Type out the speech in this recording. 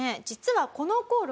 実はこの頃。